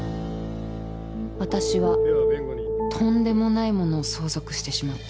私はとんでもないものを相続してしまった。